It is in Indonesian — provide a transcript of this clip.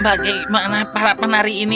bagaimana para penari ini menari seperti ini